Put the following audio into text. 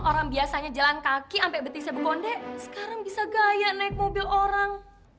orang biasanya jalan kaki ampe beti sebekonde sekarang bisa gaya naik mobil orang